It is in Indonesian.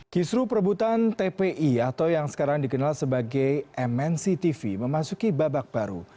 kisru perebutan tpi atau yang sekarang dikenal sebagai mnc tv memasuki babak baru